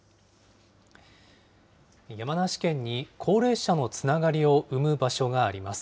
山梨県に高齢者のつながりを生む場所があります。